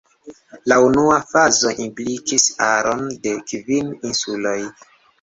La unua fazo implikis aron de kvin insuloj.